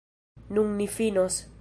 Nun ni finos.